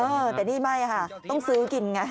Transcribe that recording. เออแต่นี่ไม่ค่ะต้องซื้อกินไง